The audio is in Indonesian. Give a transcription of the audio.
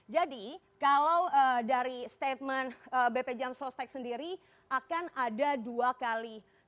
jadi kalau dari statement bp jam sostek sendiri akan ada dua kali